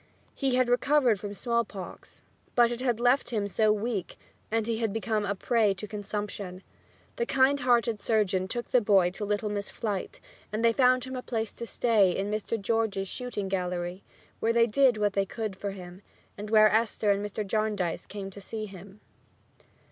He had recovered from smallpox, but it had left him so weak that he had become a prey to consumption. The kind hearted surgeon took the boy to little Miss Flite and they found him a place to stay in Mr. George's shooting gallery, where they did what they could for him, and where Esther and Mr. Jarndyce came to see him.